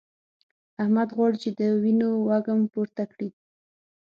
احمد غواړي چې د وينو وږم پورته کړي.